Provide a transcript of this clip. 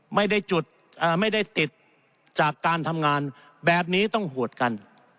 ไม่ได้จุดไม่ได้ติดจากการทำงานแบบนี้ต้องหวดกัน